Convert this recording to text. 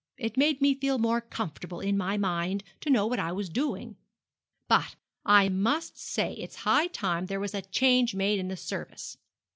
It made me feel more comfortable in my mind to know what I was doing. But I must say it's high time there was a change made in the service.